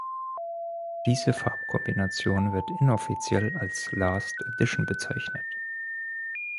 Diese Farbkombination wird inoffiziell als „Last Edition“ bezeichnet.